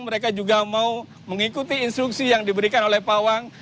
mereka juga mau mengikuti instruksi yang diberikan oleh pawang